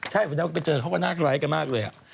ใช่วันนี้เจอเขาก็หน้าคล้ายกันมากเลย